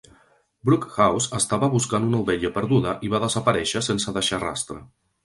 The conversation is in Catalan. Brookhouse estava buscant una ovella perduda i va desaparèixer sense deixar rastre.